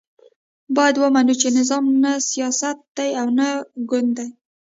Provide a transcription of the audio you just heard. باید ومنو چې نظام نه سیاست دی او نه ګوند دی.